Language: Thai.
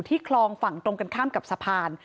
คลองฝั่งตรงกันข้ามกับสะพาน